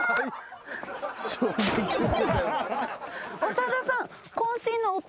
長田さん。